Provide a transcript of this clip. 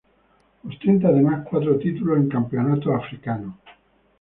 Ostenta además cuatro títulos en campeonatos africanos.